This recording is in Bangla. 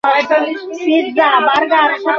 স্ত্রী ভাত বেড়ে অপেক্ষা করছে।